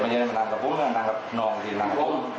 มึงก็เงินมาสั่ง